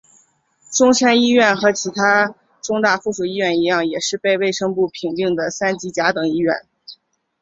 中山一院和其它中大附属医院一样也是被卫生部评定的三级甲等医院。